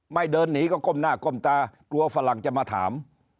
เดินหนีก็ก้มหน้าก้มตากลัวฝรั่งจะมาถาม